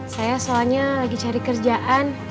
saya soalnya lagi cari kerjaan